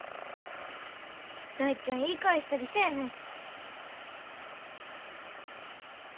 大ちゃん言い返したりせえへんし。